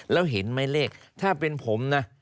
แล้วเห็นไหมเลขถ้าเป็นผมนะ